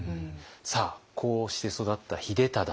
さあこうして育った秀忠。